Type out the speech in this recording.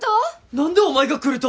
何でお前が来ると？